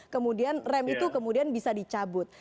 kemudian rem itu kemudian bisa dicabut